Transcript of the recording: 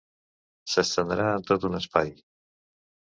S'estendrà en tot un espai.